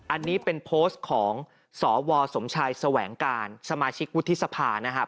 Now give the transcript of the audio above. อันนี้เป็นโพสต์ของสวสมชายแสวงการสมาชิกวุฒิสภานะครับ